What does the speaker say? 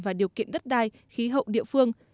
và điều kiện đất đai khí hậu địa phương